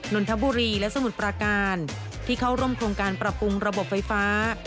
นนทบุรีและสมุทรปราการที่เข้าร่วมโครงการปรับปรุงระบบไฟฟ้า